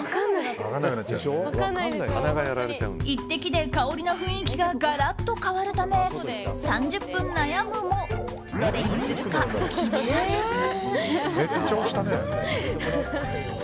１滴で香りの雰囲気がガラッと変わるため３０分、悩むもどれにするか決められず。